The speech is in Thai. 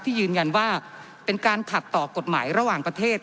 ยืนยันว่าเป็นการขัดต่อกฎหมายระหว่างประเทศ